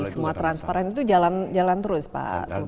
semua transparan itu jalan terus pak sultan